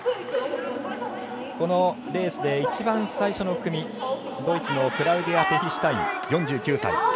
このレースで一番最初の組ドイツのクラウディア・ペヒシュタイン４９歳。